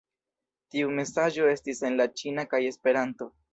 Tiu mesaĝo estis en la ĉina kaj Esperanto.